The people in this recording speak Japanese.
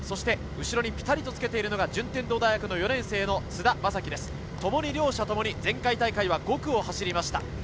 後ろにピタリとつけるのが順天堂大学４年生の津田将希です。両者ともに前回大会は５区を走りました。